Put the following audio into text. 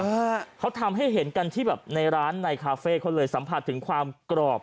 อ่าเขาทำให้เห็นกันที่แบบในร้านในคาเฟ่เขาเลยสัมผัสถึงความกรอบ